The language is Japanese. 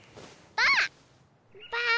ばあ！